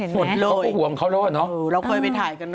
เขาห่วงเขาแล้วกันเนาะ